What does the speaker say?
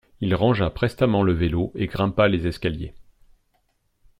Il rangea prestement le vélo et grimpa les escaliers.